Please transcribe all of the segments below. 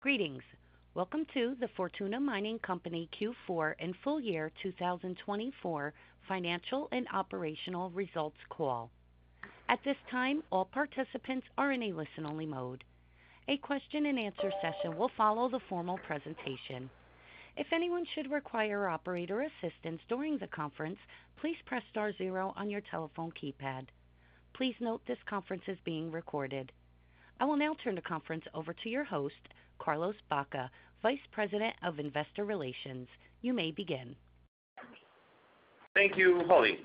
Greetings. Welcome to the Fortuna Mining Corp. Q4 and full year 2024 financial and operational results call. At this time, all participants are in a listen-only mode. A question-and-answer session will follow the formal presentation. If anyone should require operator assistance during the conference, please press star zero on your telephone keypad. Please note this conference is being recorded. I will now turn the conference over to your host, Carlos Baca, Vice President of Investor Relations. You may begin. Thank you, Holly.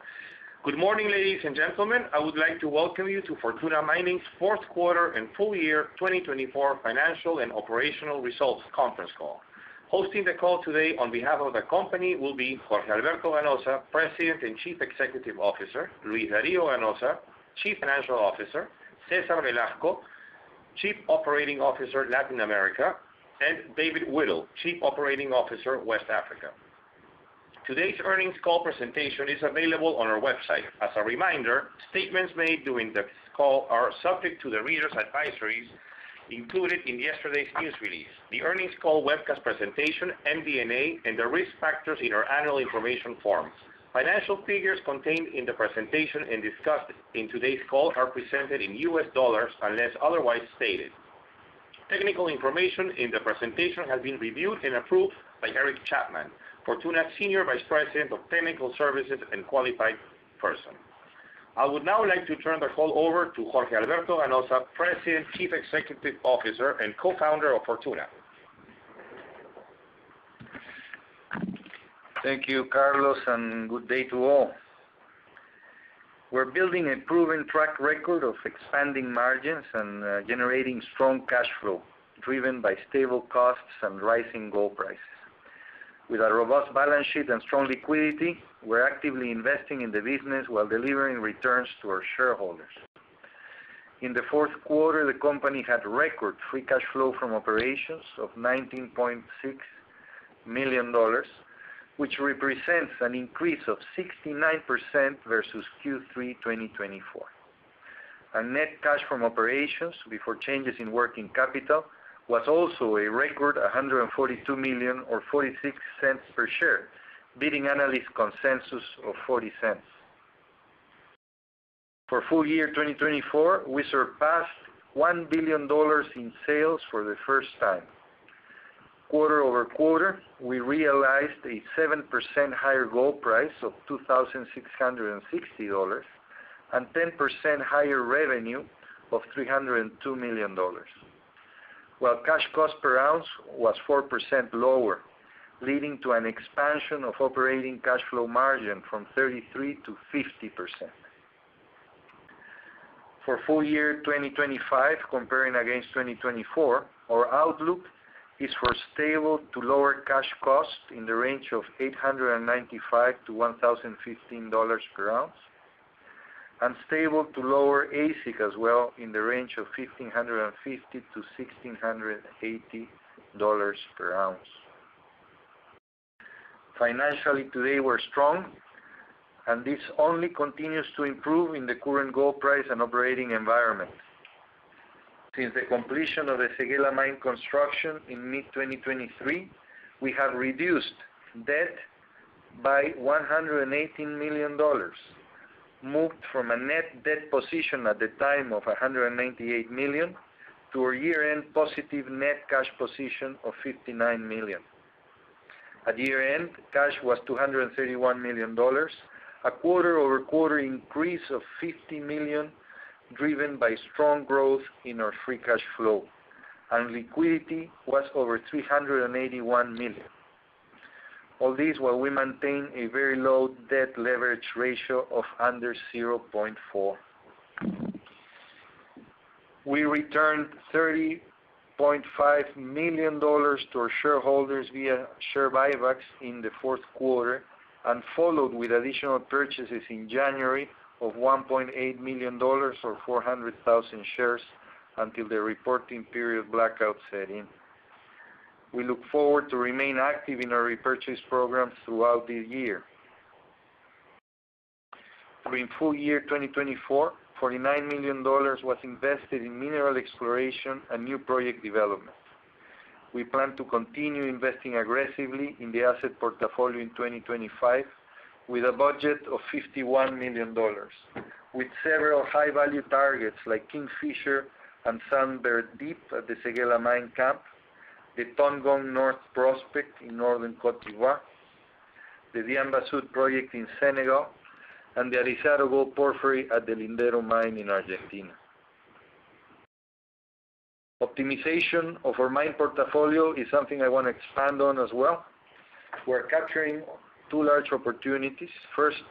Good morning, ladies and gentlemen. I would like to welcome you to Fortuna Mining's fourth quarter and full year 2024 financial and operational results conference call. Hosting the call today on behalf of the company will be Jorge Alberto Ganoza, President and Chief Executive Officer; Luis Dario Ganoza, Chief Financial Officer; Cesar Velasco, Chief Operating Officer, Latin America; and David Whittle, Chief Operating Officer, West Africa. Today's earnings call presentation is available on our website. As a reminder, statements made during the call are subject to the reader's advisories included in yesterday's news release, the earnings call webcast presentation, MD&A, and the risk factors in our annual information form. Financial figures contained in the presentation and discussed in today's call are presented in U.S. dollars unless otherwise stated. Technical information in the presentation has been reviewed and approved by Eric Chapman, Fortuna Senior Vice President of Technical Services and Qualified Person. I would now like to turn the call over to Jorge Alberto Ganoza, President, Chief Executive Officer, and Co-founder of Fortuna. Thank you, Carlos, and good day to all. We're building a proven track record of expanding margins and generating strong cash flow driven by stable costs and rising gold prices. With a robust balance sheet and strong liquidity, we're actively investing in the business while delivering returns to our shareholders. In the fourth quarter, the company had record free cash flow from operations of $19.6 million, which represents an increase of 69% versus Q3 2024. Our net cash from operations, before changes in working capital, was also a record $142 million or $0.46 per share, beating analyst consensus of $0.40. For full year 2024, we surpassed $1 billion in sales for the first time. Quarter over quarter, we realized a 7% higher gold price of $2,660 and 10% higher revenue of $302 million, while cash cost per ounce was 4% lower, leading to an expansion of operating cash flow margin from 33% to 50%. For full year 2025, comparing against 2024, our outlook is for stable to lower cash cost in the range of $895-$1,015 per ounce, and stable to lower AISC as well in the range of $1,550-$1,680 per ounce. Financially, today we're strong, and this only continues to improve in the current gold price and operating environment. Since the completion of the Séguéla Mine construction in mid-2023, we have reduced debt by $118 million, moved from a net debt position at the time of $198 million to a year-end positive net cash position of $59 million. At year-end, cash was $231 million, a quarter-over-quarter increase of $50 million driven by strong growth in our free cash flow, and liquidity was over $381 million. All this while we maintain a very low debt leverage ratio of under 0.4. We returned $30.5 million to our shareholders via share buybacks in the fourth quarter and followed with additional purchases in January of $1.8 million or 400,000 shares until the reporting period blackout set in. We look forward to remaining active in our repurchase programs throughout the year. During full year 2024, $49 million was invested in mineral exploration and new project development. We plan to continue investing aggressively in the asset portfolio in 2025 with a budget of $51 million, with several high-value targets like Kingfisher and Sunbird Deep at the Séguéla Mine Camp, the Tongon North Prospect in Northern Côte d'Ivoire, the Diamba Sud project in Senegal, and the Arizaro Gold Porphyry at the Lindero Mine in Argentina. Optimization of our mine portfolio is something I want to expand on as well. We're capturing two large opportunities. First,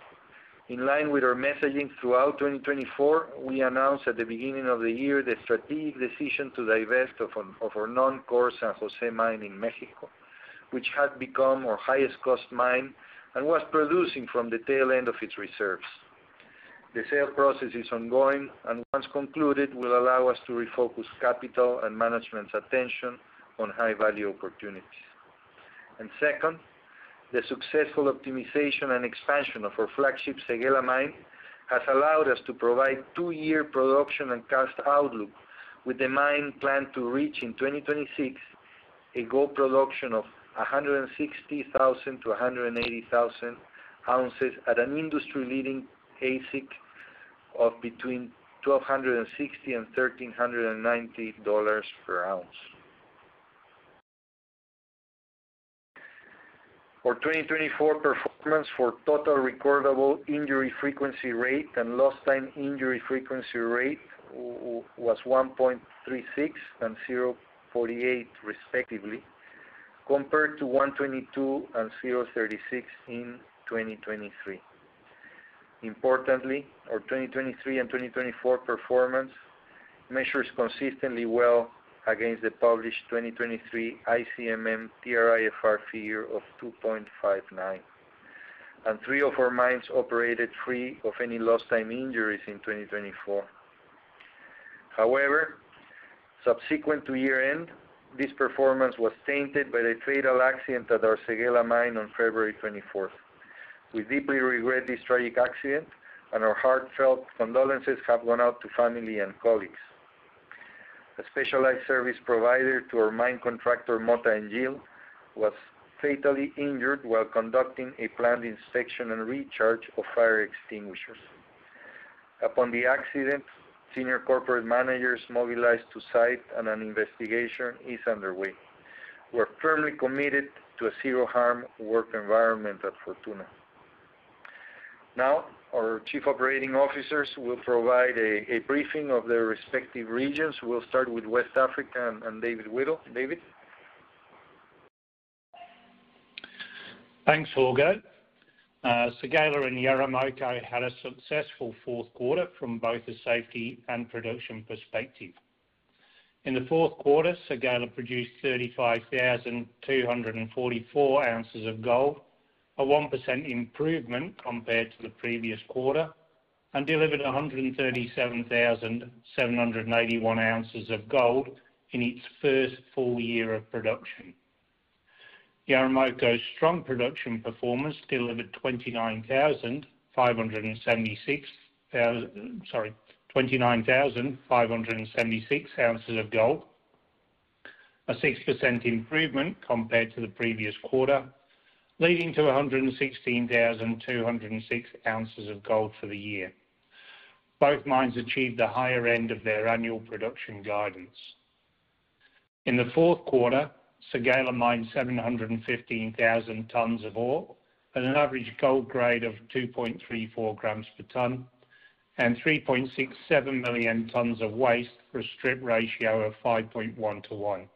in line with our messaging throughout 2024, we announced at the beginning of the year the strategic decision to divest of our non-core San José mine in Mexico, which had become our highest-cost mine and was producing from the tail end of its reserves. The sale process is ongoing, and once concluded, will allow us to refocus capital and management's attention on high-value opportunities. Second, the successful optimization and expansion of our flagship Séguéla Mine has allowed us to provide two-year production and cost outlook, with the mine planned to reach in 2026 a gold production of 160,000-180,000 ounces at an industry-leading AISC of between $1,260 and $1,390 per ounce. For 2024, performance for total recordable injury frequency rate and lost-time injury frequency rate was 1.36 and 0.48, respectively, compared to 0.22 and 0.36 in 2023. Importantly, our 2023 and 2024 performance measures compare consistently well against the published 2023 ICMM TRIFR figure of 2.59, and three of our mines operated free of any lost-time injuries in 2024. However, subsequent to year-end, this performance was tainted by the fatal accident at our Séguéla Mine on February 24th. We deeply regret this tragic accident, and our heartfelt condolences have gone out to family and colleagues. A specialized service provider to our mine contractor, Mota-Engil, was fatally injured while conducting a planned inspection and recharge of fire extinguishers. Upon the accident, senior corporate managers mobilized to site, and an investigation is underway. We're firmly committed to a zero-harm work environment at Fortuna. Now, our Chief Operating Officers will provide a briefing of their respective regions. We'll start with West Africa and David Whittle. David? Thanks, Holger. Séguéla and Yarramoko had a successful fourth quarter from both a safety and production perspective. In the fourth quarter, Séguéla produced 35,244 ounces of gold, a 1% improvement compared to the previous quarter, and delivered 137,781 ounces of gold in its first full year of production. Yarramoko's strong production performance delivered 29,576 ounces of gold, a 6% improvement compared to the previous quarter, leading to 116,206 ounces of gold for the year. Both mines achieved the higher end of their annual production guidance. In the fourth quarter, Séguéla mined 715,000 tons of ore at an average gold grade of 2.34 grams per ton and 3.67 million tons of waste for a strip ratio of 5.1 to 1.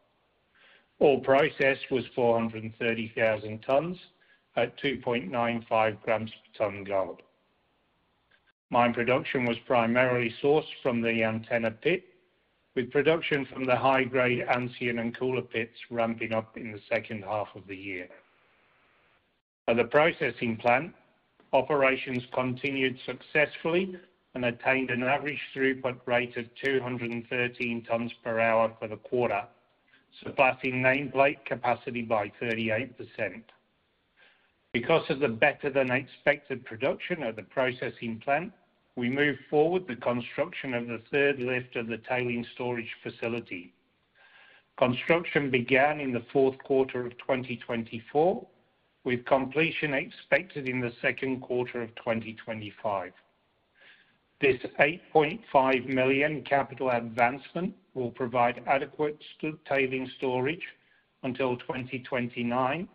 Ore processed was 430,000 tons at 2.95 grams per ton gold. Mine production was primarily sourced from the Antenna Pit, with production from the high-grade Ancien and Koula Pits ramping up in the second half of the year. At the processing plant, operations continued successfully and attained an average throughput rate of 213 tons per hour for the quarter, surpassing nameplate capacity by 38%. Because of the better-than-expected production at the processing plant, we moved forward with the construction of the third lift of the tailings storage facility. Construction began in the fourth quarter of 2024, with completion expected in the second quarter of 2025. This $8.5 million capital advancement will provide adequate tailings storage until 2029,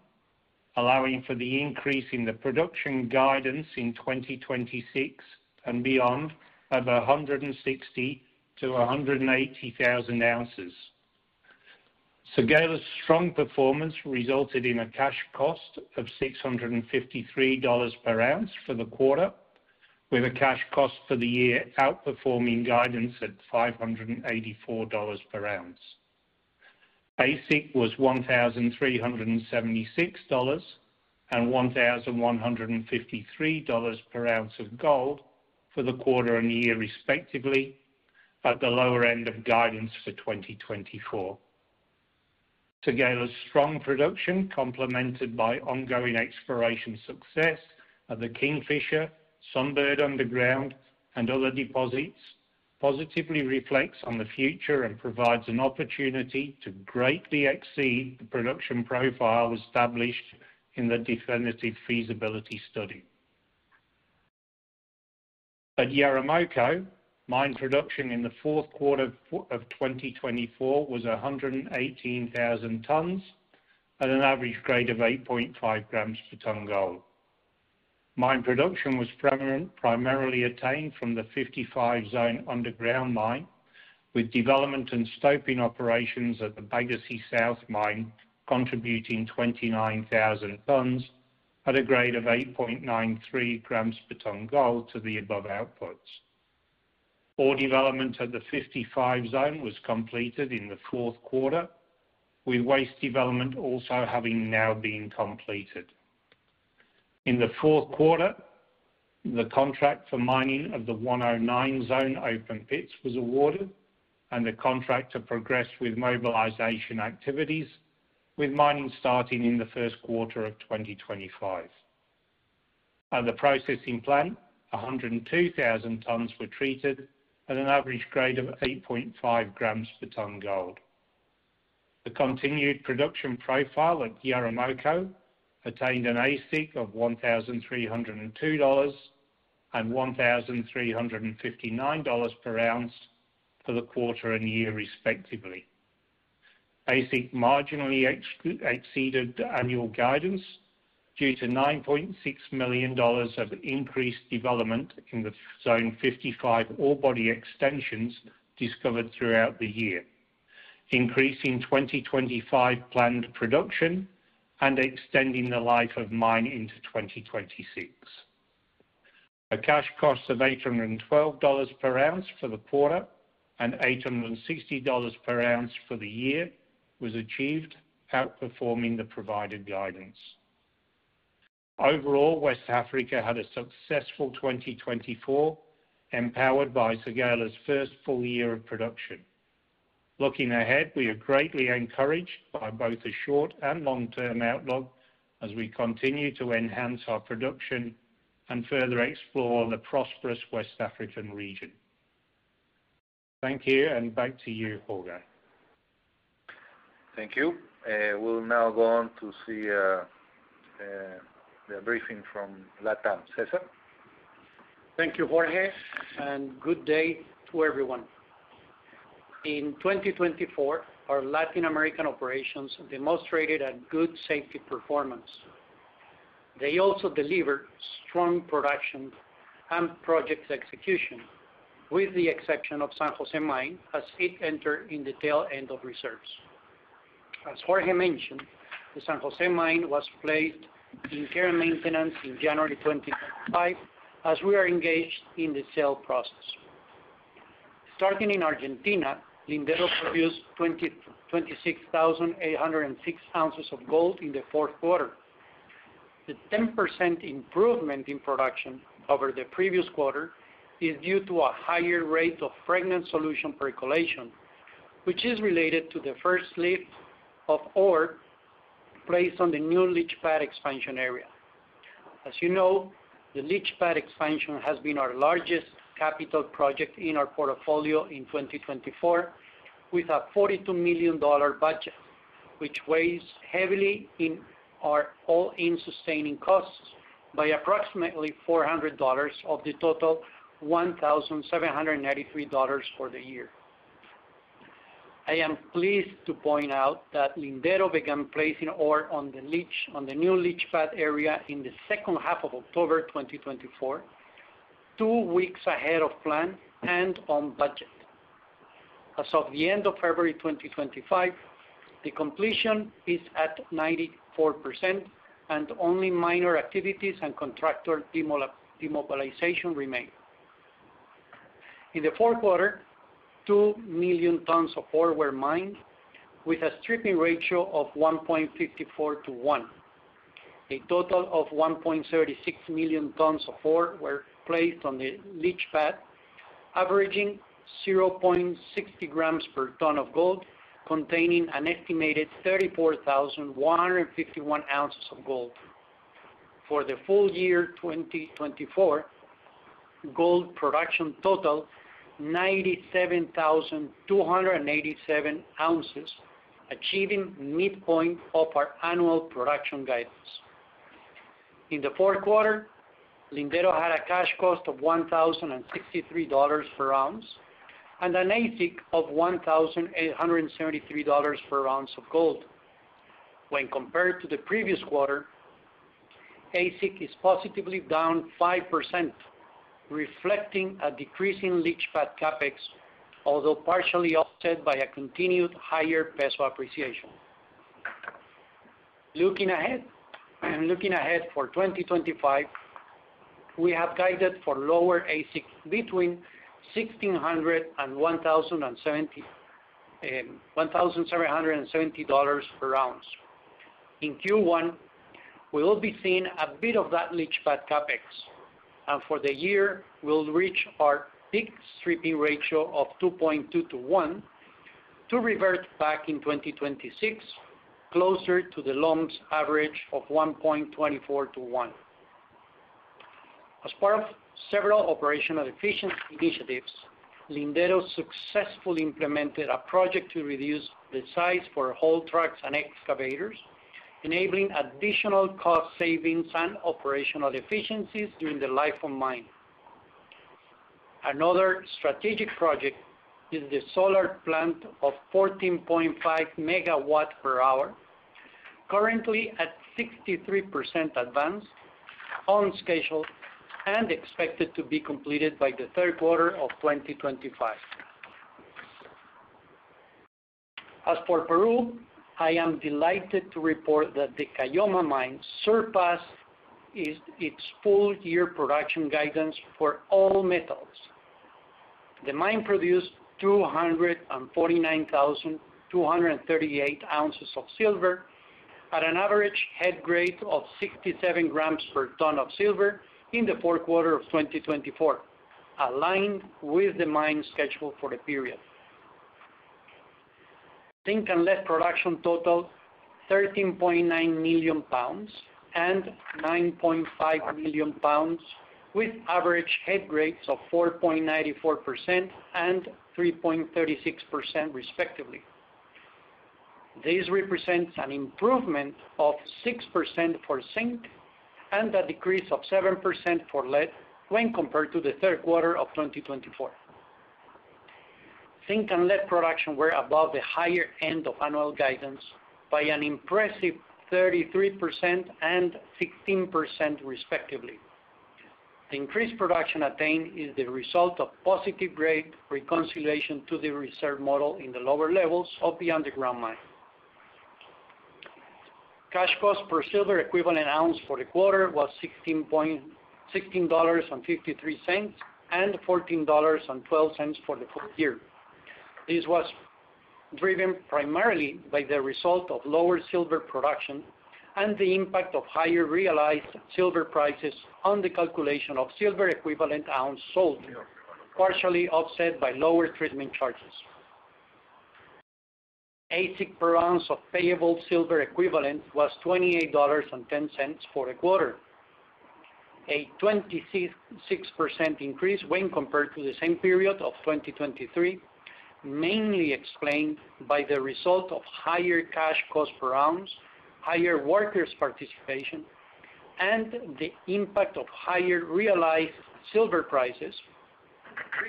allowing for the increase in the production guidance in 2026 and beyond of 160,000-180,000 ounces. Séguéla's strong performance resulted in a cash cost of $653 per ounce for the quarter, with a cash cost for the year outperforming guidance at $584 per ounce. AISC was $1,376 and $1,153 per ounce of gold for the quarter and year, respectively, at the lower end of guidance for 2024. Séguéla's strong production, complemented by ongoing exploration success at the Kingfisher, Sunbird Underground, and other deposits, positively reflects on the future and provides an opportunity to greatly exceed the production profile established in the definitive feasibility study. At Yarramoko, mine production in the fourth quarter of 2024 was 118,000 tons at an average grade of 8.5 grams per ton gold. Mine production was primarily attained from the 55 Zone underground mine, with development and stoping operations at the Bagassi South Mine contributing 29,000 tons at a grade of 8.93 grams per ton gold to the above outputs. Ore development at the 55 Zone was completed in the fourth quarter, with waste development also having now been completed. In the fourth quarter, the contract for mining of the 109 Zone open pits was awarded, and the contract to progress with mobilization activities, with mining starting in the first quarter of 2025. At the processing plant, 102,000 tons were treated at an average grade of 8.5 grams per ton gold. The continued production profile at Yarramoko attained an AISC of $1,302 and $1,359 per ounce for the quarter and year, respectively. AISC marginally exceeded annual guidance due to $9.6 million of increased development in the 55 Zone ore body extensions discovered throughout the year, increasing 2025 planned production and extending the life of mine into 2026. A cash cost of $812 per ounce for the quarter and $860 per ounce for the year was achieved, outperforming the provided guidance. Overall, West Africa had a successful 2024, empowered by Séguéla's first full year of production. Looking ahead, we are greatly encouraged by both a short and long-term outlook as we continue to enhance our production and further explore the prosperous West African region. Thank you, and back to you, Holger. Thank you. We'll now go on to see the briefing from Latam, Cesar. Thank you, Jorge, and good day to everyone. In 2024, our Latin American operations demonstrated a good safety performance. They also delivered strong production and project execution, with the exception of San José Mine as it entered in the tail end of reserves. As Jorge mentioned, the San José Mine was placed in care and maintenance in January 2025 as we are engaged in the sale process. Starting in Argentina, Lindero produced 26,806 ounces of gold in the fourth quarter. The 10% improvement in production over the previous quarter is due to a higher rate of fragment solution percolation, which is related to the first lift of ore placed on the new leach pad expansion area. As you know, the Leach pad expansion has been our largest capital project in our portfolio in 2024, with a $42 million budget, which weighs heavily in our all-in sustaining costs by approximately $400 of the total $1,783 for the year. I am pleased to point out that Lindero began placing ore on the new Leach pad area in the second half of October 2024, two weeks ahead of plan and on budget. As of the end of February 2025, the completion is at 94%, and only minor activities and contractor demobilization remain. In the fourth quarter, two million tons of ore were mined with a stripping ratio of 1.54 to 1. A total of 1.36 million tons of ore were placed on the Leach pad, averaging 0.60 grams per ton of gold, containing an estimated 34,151 ounces of gold. For the full year 2024, gold production totaled 97,287 ounces, achieving midpoint of our annual production guidance. In the fourth quarter, Lindero had a cash cost of $1,063 per ounce and an AISC of $1,873 per ounce of gold. When compared to the previous quarter, AISC is positively down 5%, reflecting a decrease in leach pad CapEx, although partially offset by a continued higher peso appreciation. Looking ahead for 2025, we have guidance for lower AISC between $1,600-$1,770 per ounce. In Q1, we will be seeing a bit of that leach pad CapEx, and for the year, we'll reach our peak stripping ratio of 2.2 to 1 to revert back in 2026 closer to the LOM's average of 1.24 to 1. As part of several operational efficiency initiatives, Lindero successfully implemented a project to reduce the size for haul trucks and excavators, enabling additional cost savings and operational efficiencies during the life of mine. Another strategic project is the solar plant of 14.5 megawatts, currently at 63% advanced, on schedule, and expected to be completed by the third quarter of 2025. As for Peru, I am delighted to report that the Caylloma mine surpassed its full year production guidance for all metals. The mine produced 249,238 ounces of silver at an average head grade of 67 grams per ton of silver in the fourth quarter of 2024, aligned with the mine schedule for the period. Zinc and lead production total 13.9 million pounds and 9.5 million pounds, with average head grades of 4.94% and 3.36%, respectively. This represents an improvement of 6% for zinc and a decrease of 7% for lead when compared to the third quarter of 2024. Zinc and lead production were above the higher end of annual guidance by an impressive 33% and 16%, respectively. The increased production attained is the result of positive grade reconciliation to the reserve model in the lower levels of the underground mine. Cash cost per silver equivalent ounce for the quarter was $16.53 and $14.12 for the full year. This was driven primarily by the result of lower silver production and the impact of higher realized silver prices on the calculation of silver equivalent ounce sold, partially offset by lower treatment charges. AISC per ounce of payable silver equivalent was $28.10 for the quarter, a 26% increase when compared to the same period of 2023, mainly explained by the result of higher cash cost per ounce, higher workers' participation, and the impact of higher realized silver prices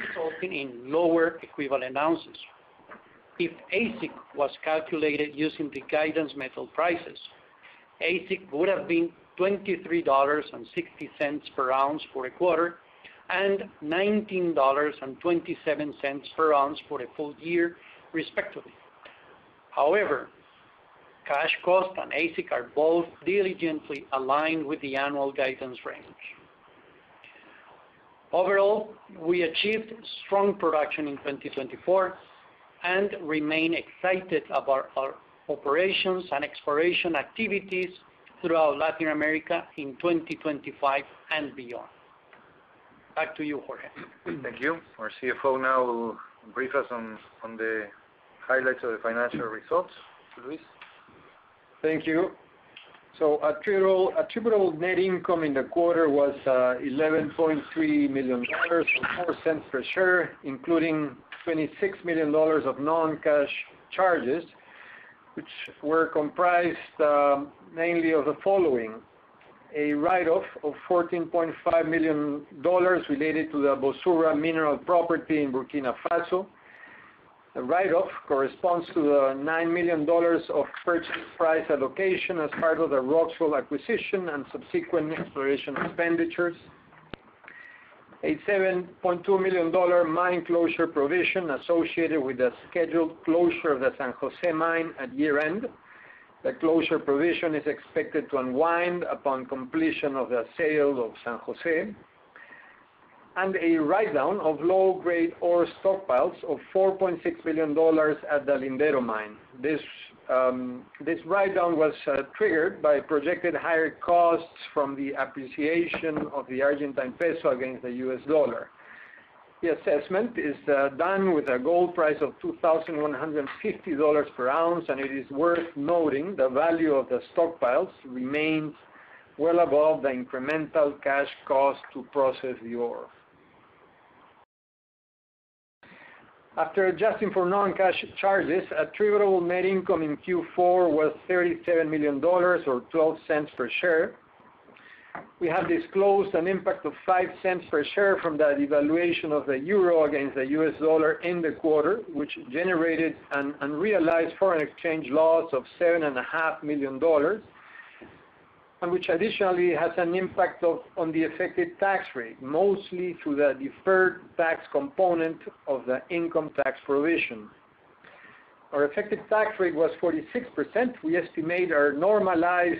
resulting in lower equivalent ounces. If AISC was calculated using the guidance metal prices, AISC would have been $23.60 per ounce for the quarter and $19.27 per ounce for the full year, respectively. However, cash cost and AISC are both diligently aligned with the annual guidance range. Overall, we achieved strong production in 2024 and remain excited about our operations and exploration activities throughout Latin America in 2025 and beyond. Back to you, Jorge. Thank you. Our CFO now will brief us on the highlights of the financial results. Luis? Thank you. So attributable net income in the quarter was $11.3 million and $0.04 per share, including $26 million of non-cash charges, which were comprised mainly of the following: a write-off of $14.5 million related to the Boussoura Mineral property in Burkina Faso. The write-off corresponds to the $9 million of purchase price allocation as part of the Roxgold acquisition and subsequent exploration expenditures. A $7.2 million mine closure provision associated with the scheduled closure of the San José mine at year-end. The closure provision is expected to unwind upon completion of the sale of San José and a write-down of low-grade ore stockpiles of $4.6 million at the Lindero mine. This write-down was triggered by projected higher costs from the appreciation of the Argentine peso against the U.S. dollar. The assessment is done with a gold price of $2,150 per ounce, and it is worth noting the value of the stockpiles remains well above the incremental cash cost to process the ore. After adjusting for non-cash charges, attributable net income in Q4 was $37 million or $0.12 per share. We have disclosed an impact of $0.05 per share from the devaluation of the euro against the U.S. dollar in the quarter, which generated an unrealized foreign exchange loss of $7.5 million, and which additionally has an impact on the effective tax rate, mostly through the deferred tax component of the income tax provision. Our effective tax rate was 46%. We estimate our normalized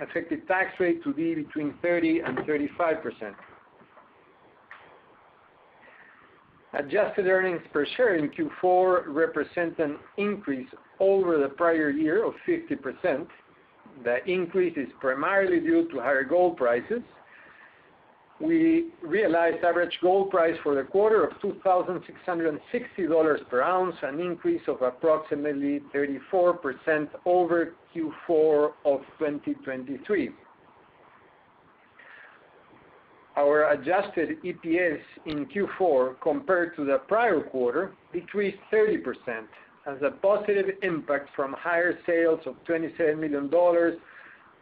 effective tax rate to be between 30% and 35%. Adjusted earnings per share in Q4 represent an increase over the prior year of 50%. The increase is primarily due to higher gold prices. We realized average gold price for the quarter of $2,660 per ounce, an increase of approximately 34% over Q4 of 2023. Our adjusted EPS in Q4 compared to the prior quarter decreased 30%, and the positive impact from higher sales of $27 million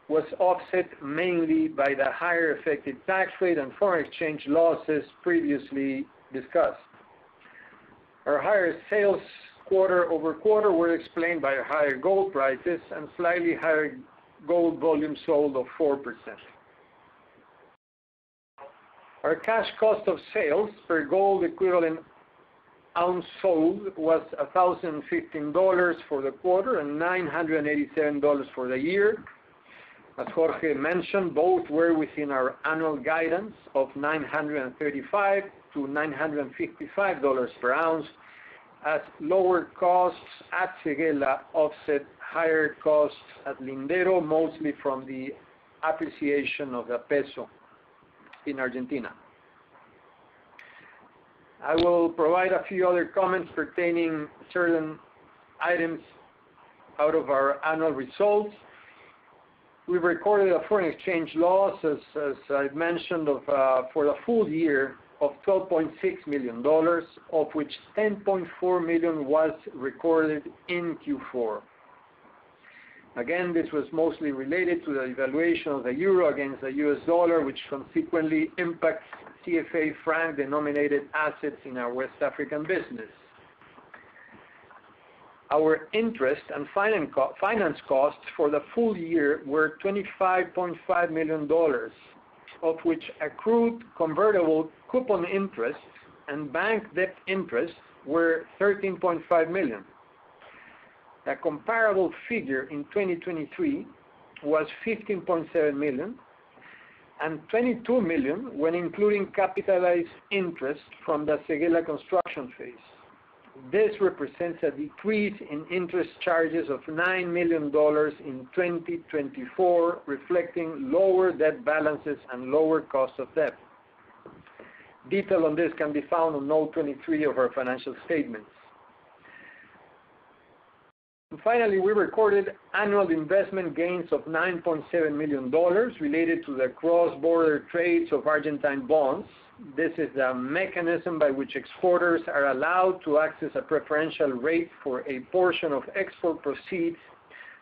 was offset mainly by the higher effective tax rate and foreign exchange losses previously discussed. Our higher sales quarter over quarter were explained by higher gold prices and slightly higher gold volume sold of 4%. Our cash cost of sales per gold equivalent ounce sold was $1,015 for the quarter and $987 for the year. As Jorge mentioned, both were within our annual guidance of $935-$955 per ounce, as lower costs at Séguéla offset higher costs at Lindero mostly from the appreciation of the peso in Argentina. I will provide a few other comments pertaining to certain items out of our annual results. We recorded a foreign exchange loss, as I mentioned, for the full year of $12.6 million, of which $10.4 million was recorded in Q4. Again, this was mostly related to the evaluation of the euro against the U.S. dollar, which consequently impacts CFA franc-denominated assets in our West African business. Our interest and finance costs for the full year were $25.5 million, of which accrued convertible coupon interest and bank debt interest were $13.5 million. A comparable figure in 2023 was $15.7 million, and $22 million when including capitalized interest from the Séguéla construction phase. This represents a decrease in interest charges of $9 million in 2024, reflecting lower debt balances and lower cost of debt. Detail on this can be found on 023 of our financial statements. Finally, we recorded annual investment gains of $9.7 million related to the cross-border trades of Argentine bonds. This is the mechanism by which exporters are allowed to access a preferential rate for a portion of export proceeds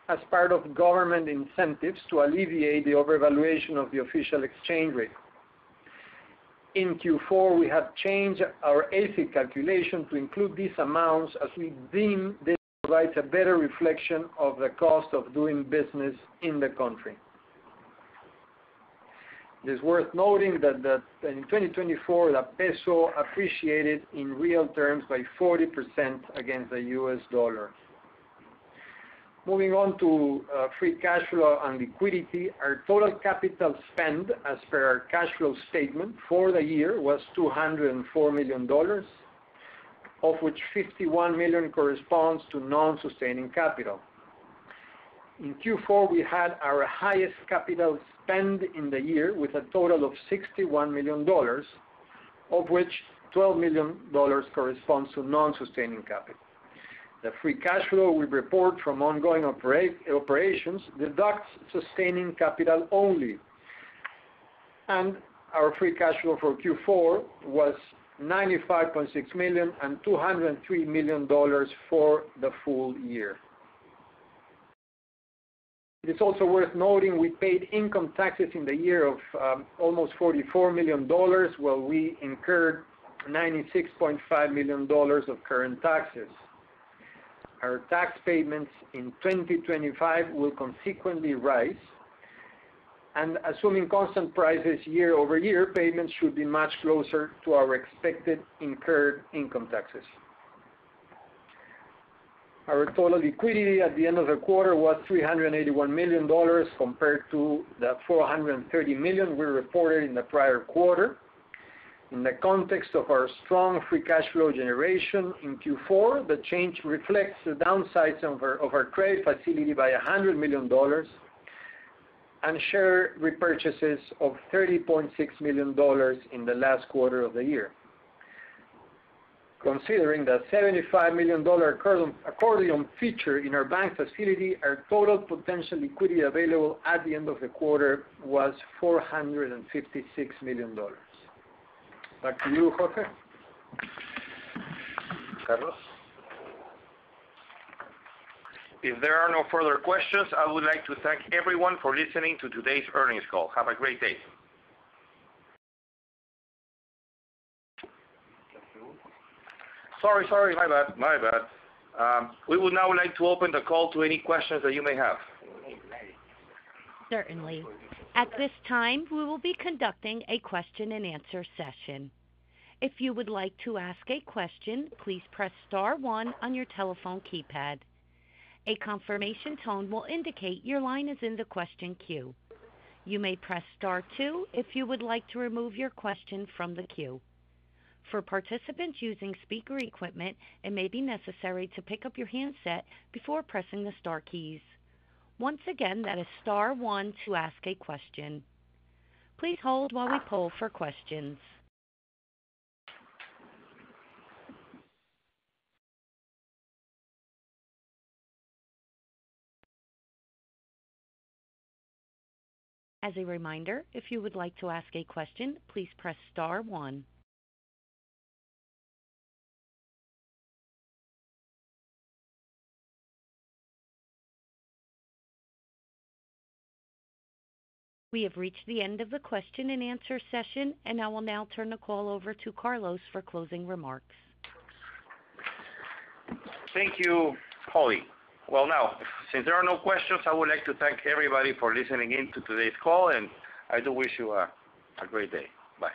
as part of government incentives to alleviate the overvaluation of the official exchange rate. In Q4, we have changed our AISC calculation to include these amounts as we deem this provides a better reflection of the cost of doing business in the country. It is worth noting that in 2024, the peso appreciated in real terms by 40% against the US dollar. Moving on to free cash flow and liquidity, our total capital spend as per our cash flow statement for the year was $204 million, of which $51 million corresponds to non-sustaining capital. In Q4, we had our highest capital spend in the year with a total of $61 million, of which $12 million corresponds to non-sustaining capital. The free cash flow we report from ongoing operations deducts sustaining capital only, and our free cash flow for Q4 was $95.6 million and $203 million for the full year. It is also worth noting we paid income taxes in the year of almost $44 million while we incurred $96.5 million of current taxes. Our tax payments in 2025 will consequently rise, and assuming constant prices year over year, payments should be much closer to our expected incurred income taxes. Our total liquidity at the end of the quarter was $381 million compared to the $430 million we reported in the prior quarter. In the context of our strong free cash flow generation in Q4, the change reflects the drawdown of our trade facility by $100 million and share repurchases of $30.6 million in the last quarter of the year. Considering the $75 million accordion feature in our bank facility, our total potential liquidity available at the end of the quarter was $456 million. Back to you, Jorge. Carlos? If there are no further questions, I would like to thank everyone for listening to today's earnings call. Have a great day. Sorry, sorry. My bad. My bad. We would now like to open the call to any questions that you may have. Certainly. At this time, we will be conducting a question-and-answer session. If you would like to ask a question, please press star one on your telephone keypad. A confirmation tone will indicate your line is in the question queue. You may press star two if you would like to remove your question from the queue. For participants using speaker equipment, it may be necessary to pick up your handset before pressing the star keys. Once again, that is star one to ask a question. Please hold while we pull for questions. As a reminder, if you would like to ask a question, please press star one. We have reached the end of the question-and-answer session, and I will now turn the call over to Carlos for closing remarks. Thank you, Paulie. Well, now, since there are no questions, I would like to thank everybody for listening in to today's call, and I do wish you a great day. Bye.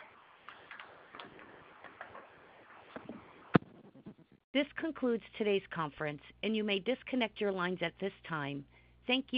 This concludes today's conference, and you may disconnect your lines at this time. Thank you.